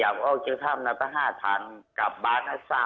หลงพ่อเป็นเอ่อเอ่อมีอาภาษะหรือไม่คะ